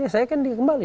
ya saya akan kembali